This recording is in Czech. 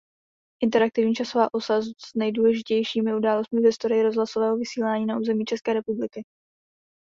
Interaktivní časová osa s nejdůležitějšími události v historii rozhlasového vysílání na území České republiky.